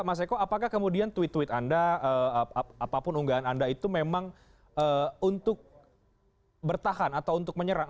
mas eko apakah kemudian tweet tweet anda apapun unggahan anda itu memang untuk bertahan atau untuk menyerang